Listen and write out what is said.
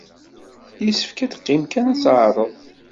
Yessefk ad teqqim kan ad tɛerreḍ.